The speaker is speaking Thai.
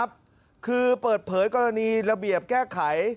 เปิดเผยจากกรณีระเบียบแก้ไข